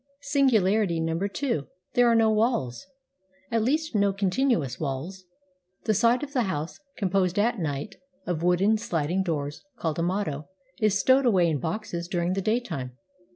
Sin gularity number two : there are no walls — at least no continuous wails. The side of the house, composed at night of wooden sHding doors, called amado, is stowed away in boxes during the daytime.